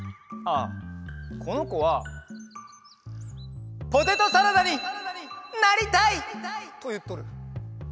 ああこのこは「ポテトサラダになりたい！」といっとる。